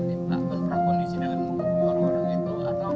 berkondisi dengan orang orang itu